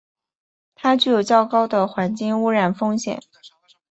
它具有较高的环境污染风险。